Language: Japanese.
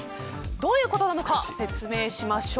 どういうことなのか説明しましょう。